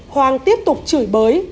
hoàng tiếp tục chửi bới